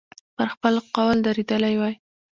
پر خپل قول درېدلی وای.